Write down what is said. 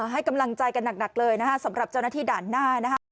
ให้กำลังใจกันหนักเลยนะคะสำหรับเจ้าหน้าที่ด่านหน้านะคะ